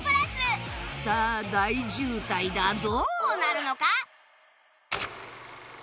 さあ大渋滞だどうなるのか？